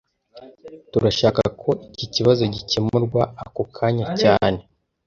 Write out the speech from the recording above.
Turashaka ko iki kibazo gikemurwa ako kanya cyane